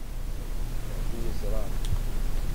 Ṛebbi yeẓṛa.